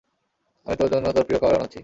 আমি তোর জন্য তোর প্রিয় খাবার বানাচ্ছি।